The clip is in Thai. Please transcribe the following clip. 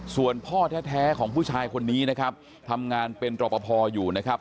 ส่วนพ่อแท้ของผู้ชายคนนี้นะครับทำงานเป็นตรปภอยู่นะครับ